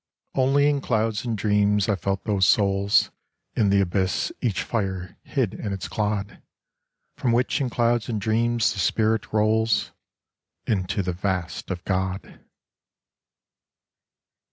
Only in clouds and dreams I felt those souls In the abyss, each fire hid in its clod ; From which in clouds and dreams the spirit rolls Into the vast of God.